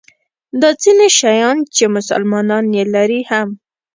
دا ځیني شیان چې مسلمانان یې لري هم.